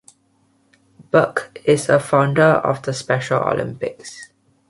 Burke is a founder of the Special Olympics.